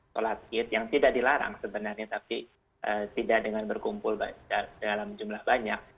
sholat id yang tidak dilarang sebenarnya tapi tidak dengan berkumpul dalam jumlah banyak